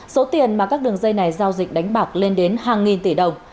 số tiền mà các đường dây này giao dịch đánh bạc lên đến hàng nghìn tỷ đồng